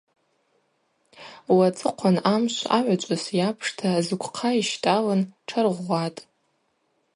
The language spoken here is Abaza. Уацӏыхъван амшв агӏвычӏвгӏвыс йапшта зквхъа йщтӏалын тшаргъвгъватӏ.